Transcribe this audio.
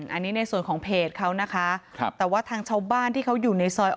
อันนี้ในส่วนของเพจเขานะคะครับแต่ว่าทางชาวบ้านที่เขาอยู่ในซอย